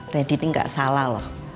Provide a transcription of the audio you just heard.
kredit ini gak salah loh